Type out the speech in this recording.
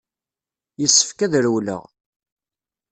Yessefk ad rewleɣ.